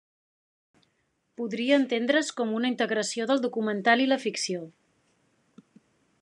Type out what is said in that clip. Podria entendre's com una integració del documental i la ficció.